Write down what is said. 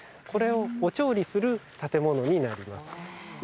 これをお調理する建物になります。